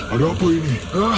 ada apa ini